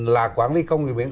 là quản lý không gian biển